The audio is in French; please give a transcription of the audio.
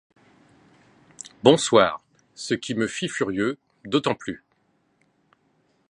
Bonsoir. » -Ce qui me fit furieux. D'autant plus